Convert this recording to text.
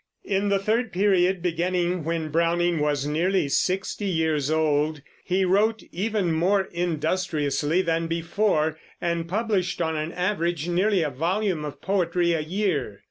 In the third period, beginning when Browning was nearly sixty years old, he wrote even more industriously than before, and published on an average nearly a volume of poetry a year.